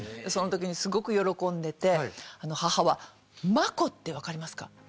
その時にすごく喜んでて母は真子って分かりますか？